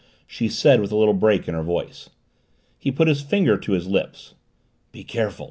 she said with a little break in her voice. He put his finger to his lips. "Be careful!"